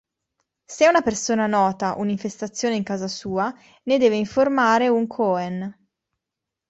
Se una persona nota un'infestazione in casa sua, ne deve informare un "kohen".